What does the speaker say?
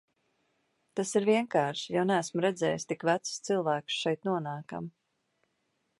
Tas ir vienkārši, jo neesmu redzējusi tik vecus cilvēkus šeit nonākam.